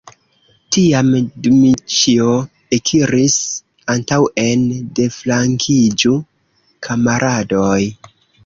Tiam Dmiĉjo ekiris antaŭen: "deflankiĝu, kamaradoj!"